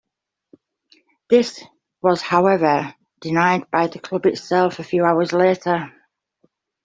This was however denied by the club itself a few hours later.